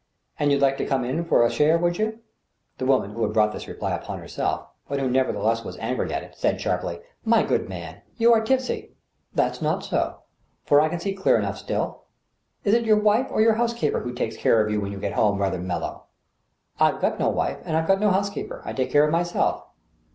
"And you'd like to come in for a share, wouldn't you ?" The girl, who had brought this reply upon herself, but who nevertheless was angary at it, said, sharply :" My good man, you are tipsy." " That's not so ; for I can see clear enough still." *' Is it your wife or your housekeeper who takes care of you when you get home rather mellow f*' " I've got no wife and I've got no housekeeper. I take care of myself.".